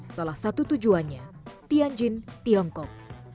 salah satu tujuannya tianjin tiongkok